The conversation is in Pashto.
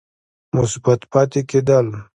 مثبت پاتې کېد ل